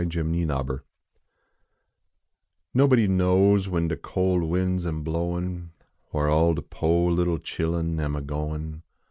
NOBODY KNOWS Nobody knows when de col winds am blowin . Whar all de po little chilhin am a goin